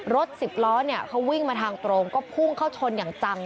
รถสิบล้อเนี่ยเขาวิ่งมาทางตรงก็พุ่งเข้าชนอย่างจัง